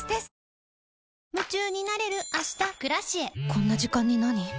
こんな時間になに？